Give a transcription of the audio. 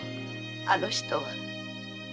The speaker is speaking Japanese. あの人は。